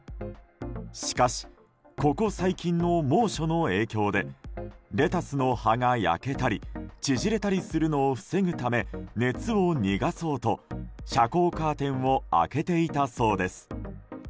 しかし、ここ最近の猛暑の影響でレタスの葉が焼けたり縮れたりするのを防ぐため熱を逃がそうと、遮光カーテンを開けていたそうです。